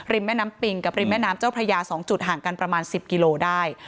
แม่น้ำปิงกับริมแม่น้ำเจ้าพระยา๒จุดห่างกันประมาณ๑๐กิโลได้